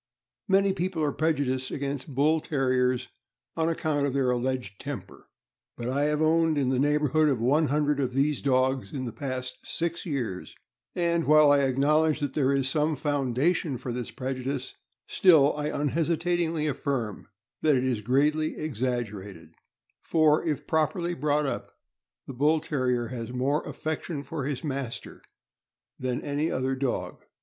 Many people are prejudiced against Bull Terriers on account of their alleged temper; but I have owned in the neighborhood of one hundred of these dogs in the past six years, and while I acknowledge that there is some founda tion for this prejudice, still I unhesitatingly affirm that it is greatly exaggerated, for, if properly brought up, the Bull Terrier has more affection for his master than any other dog.